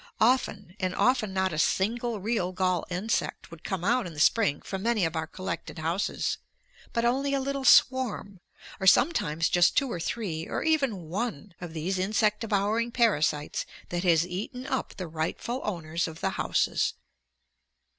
Often and often not a single real gall insect would come out in the spring from many of our collected houses, but only a little swarm, or sometimes just two or three or even one, of these insect devouring parasites that has eaten up the rightful owners of the houses.